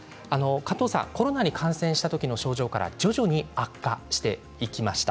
加藤さんはコロナに感染した時の症状から徐々に悪化していきました。